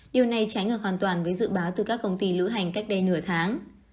điều này trái ngược hoàn toàn với dự báo từ các công ty lữ hành cách đây nửa tháng